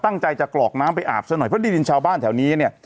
ตั้งใจจะกรอกน้ำไปอาบซะหน่อยเพราะดินชาวบ้านแถวนี้เนี่ย